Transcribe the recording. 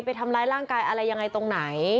ไปทำร้ายร่างกายอะไรยังไงตรงไหน